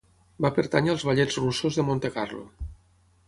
Va pertànyer als Ballets Russos de Montecarlo.